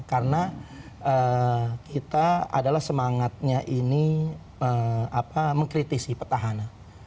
karena kita adalah semangatnya ini mengkritisi petahana